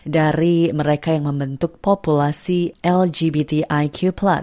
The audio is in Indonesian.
dari mereka yang membentuk populasi lgbtiq